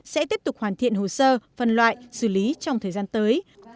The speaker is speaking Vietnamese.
sẽ tiếp tục hoàn thiện hồ sơ phân loại xử lý trong thời gian tới